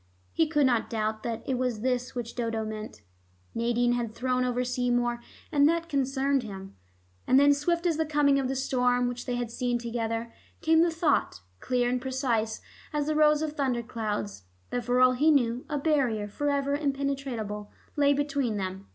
He could not doubt that it was this which Dodo meant. Nadine had thrown over Seymour and that concerned him. And then swift as the coming of the storm which they had seen together, came the thought, clear and precise as the rows of thunder clouds, that for all he knew a barrier forever impenetrable lay between them.